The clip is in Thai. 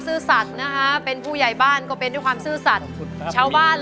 เพลงนี้เพลงที่๑นะครับมีมูลค่า๑๐๐๐๐บาท